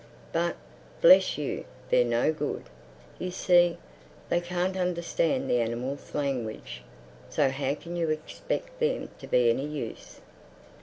But, bless you, they're no good. You see, they can't understand the animals' language; so how can you expect them to be any use?